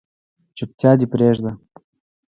چوپتیا دې پریږده